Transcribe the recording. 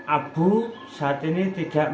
abu saat ini tidak